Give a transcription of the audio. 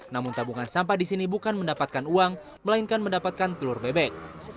namun tabungan sampah di sini bukan mendapatkan uang melainkan mendapatkan telur bebek